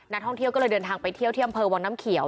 ท่องเที่ยวก็เลยเดินทางไปเที่ยวที่อำเภอวังน้ำเขียว